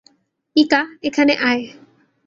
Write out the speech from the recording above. ইকা, এখানে আয়।